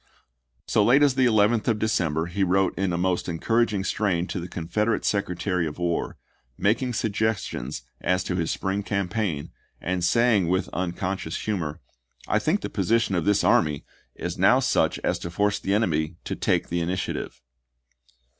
So late as the 11th of December he wrote p.m' in a most encouraging strain to the Confederate Secretary of War, making suggestions as to his spring campaign, and saying with unconscious humor, " I think the position of this army is now such as to force the enemy to take the in dm., p. 357. itiative."